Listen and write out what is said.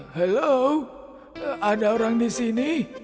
halo ada orang di sini